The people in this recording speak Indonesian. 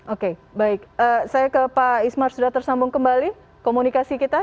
oke baik saya ke pak ismar sudah tersambung kembali komunikasi kita